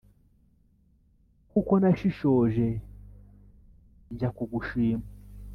Kuko nashishoje njya kugushima